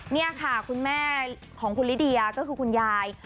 นี่ค่ะคุณแม่ของคุณลิเดียก็คือคุณยาย